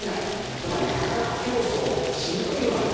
つまり価格競争しにくいような状況になってるわけ。